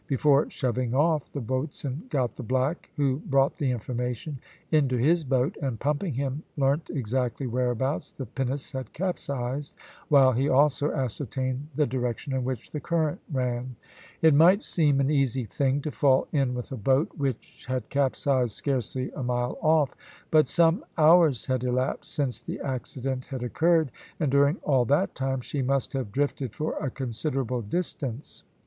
Before shoving off the boatswain got the black, who brought the information, into his boat, and pumping him learnt exactly whereabouts the pinnace had capsized, while he also ascertained the direction in which the current ran. It might seem an easy thing to fall in with a boat which had capsized scarcely a mile off; but some hours had elapsed since the accident had occurred, and during all that time she must have drifted for a considerable distance.